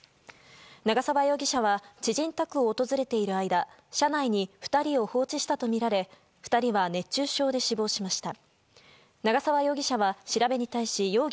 長沢容疑者は知人宅を訪れている間車内に２人を放置したとみられ２人は熱中症で死亡しました。